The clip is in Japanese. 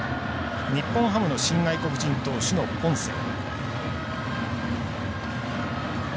日本ハムの新外国人投手のポンセ。